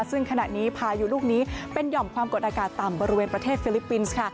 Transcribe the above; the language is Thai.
ซึ่งขณะนี้พายุลูกนี้เป็นหย่อมความกดอากาศต่ำบริเวณประเทศฟิลิปปินส์ค่ะ